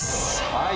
はい。